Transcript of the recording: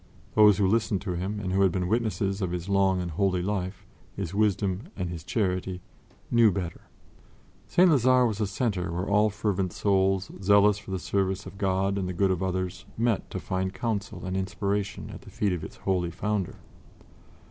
Those who listened to him and who had been witnesses of his long and holy life, his wisdom and his charity, knew better. St. Lazare was a center where all fervent souls zealous for the service of God and the good of others met to find counsel and inspiration at the feet of its holy founder.